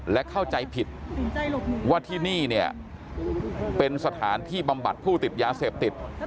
และเข้าใจผิดว่าที่นี่เนี่ยเป็นสถานที่บำบัดผู้ติดยาเสพติด